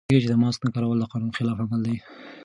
آیا پوهېږئ چې د ماسک نه کارول د قانون خلاف عمل دی؟